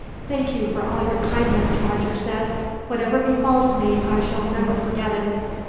"Thank you for all your kindness," Roger said. "Whatever befalls me, I shall never forget it.